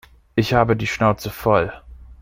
Ich habe die Schnauze voll.